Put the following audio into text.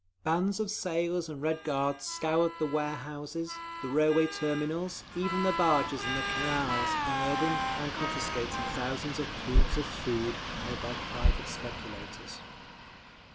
Bands of sailors and Red Guards scoured the warehouses, the railway terminals, even the barges in the canals, unearthing and confiscating thousands of poods of food held by private speculators.